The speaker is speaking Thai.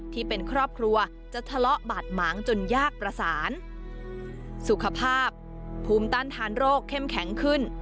ที่เป็นครอบครัวจะทะเลาะบาดหมางจนยากประสานสุขภาพภูมิต้านทานโรคเข้มแข็งขึ้น